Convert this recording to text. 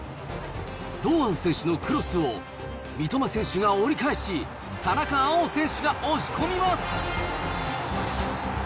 堂安選手のクロスを、三笘選手が折り返し、田中碧選手が押し込みます。